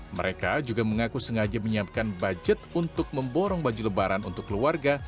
mereka juga mengaku sengaja menyiapkan budget untuk memborong baju lebaran untuk keluarga